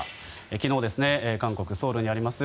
昨日、韓国ソウルにあります